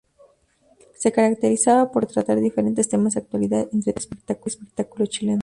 Se caracterizaba por tratar diferentes temas de actualidad, entretenimiento y espectáculo chileno.